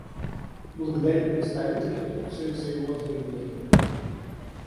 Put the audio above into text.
Благодарю представителя Турции за его заявление.